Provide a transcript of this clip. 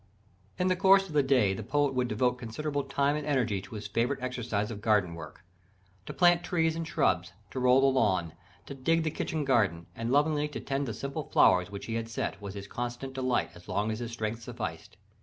_ In the course of the day the poet would devote considerable time and energy to his favourite exercise of garden work. To plant trees and shrubs, to roll the lawn, to dig the kitchen garden, and lovingly to tend the simple flowers which he had set, was his constant delight as long as his strength sufficed.